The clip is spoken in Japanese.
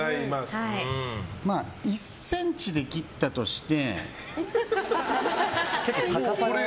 １ｃｍで切ったとして。